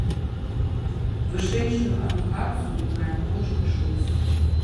Вышэйшую адукацыю мае кожны шосты.